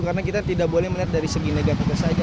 karena kita tidak boleh melihat dari segi negatif saja